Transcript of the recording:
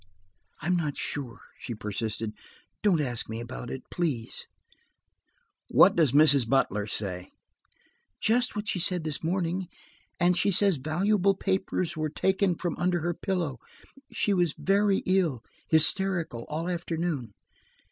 "I'm not sure," she persisted. "Don't ask me about it, please." "What does Mrs. Butler say?" "Just what she said this morning. And she says valuable papers were taken from under her pillow. She was very ill–hysterical, all afternoon."